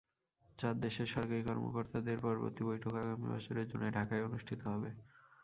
চার দেশের সরকারি কর্ম-কর্তাদের পরবর্তী বৈঠক আগামী বছরের জুনে ঢাকায় অনুষ্ঠিত হবে।